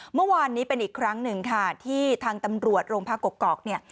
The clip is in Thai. เมื่อวานนี้เป็นอีกครั้งหนึ่งค่ะที่ทางตำรวจโรงพักกกอกเนี่ย